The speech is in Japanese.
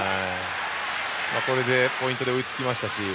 ポイントで追いつきましたし。